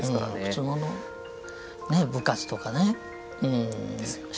普通の部活とかね。ですよね。